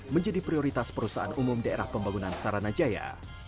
menjadi prioritas perusahaan umum daerah pembangunan saranajaya